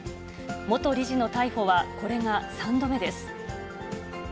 元理事の逮捕はこれが３度目です。